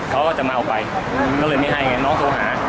เขาก็จะมาเอาไปก็เลยไม่ให้ไงน้องโทรหา